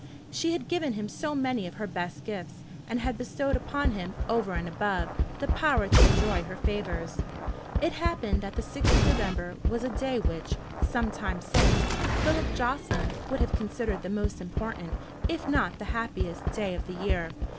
She had given him so many of her best gifts, and had bestowed upon him, over and above, the power to enjoy her favours. It happened that the 6th of November was a day which, some time since, Philip Jocelyn would have considered the most important, if not the happiest, day of the year.